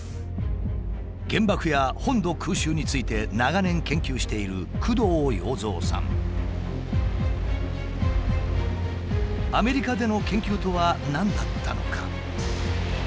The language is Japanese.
原爆や本土空襲について長年研究しているアメリカでの研究とは何だったのか？